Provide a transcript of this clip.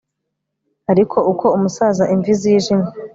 Ariko uko umusaza imvi zijimye